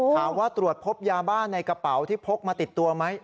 ถามว่าตรวจพบยาบ้านในกระเป๋าที่พกมาติดตัวไหม